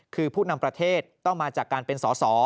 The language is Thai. คือผู้นำประเทศต้องมาจากการเป็นสอสอ